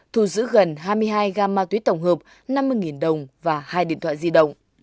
thu giữ gần hai mươi hai gam ma túy tổng hợp năm mươi đồng và hai điện thoại di động